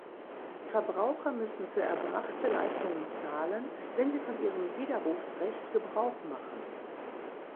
Verbraucher müssen für erbrachte Leistungen zahlen, wenn sie von ihrem Widerrufsrecht Gebrauch machen.